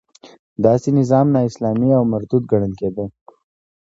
داسې نظام نا اسلامي او مردود ګڼل کېده.